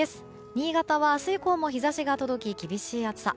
新潟は明日以降も日差しが届き厳しい暑さ。